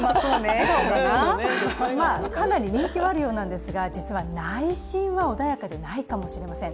かなり人気はあるようなんですが実は内心は穏やかでないかもしれません。